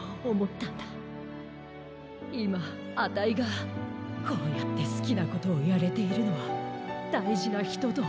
いまあたいがこうやってすきなことをやれているのはだいじなひとと。